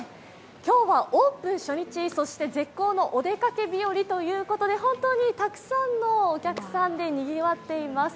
今日はオープン初日、そして絶好のお出かけ日和ということで本当にたくさんのお客さんでにぎわっています。